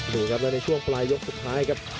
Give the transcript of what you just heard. โดยกำลังในช่วงปลายยกสุดท้ายครับ